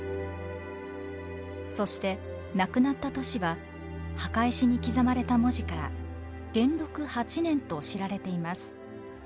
そして亡くなった年は墓石に刻まれた文字から元禄８年と知られています。